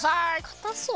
かたそう。